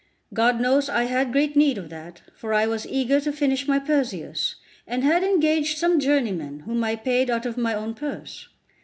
God knows I had great need of that, for I was eager to finish my Perseus, and had engaged some journeymen, whom I paid out of my own purse.